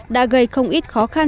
đã gây không ổn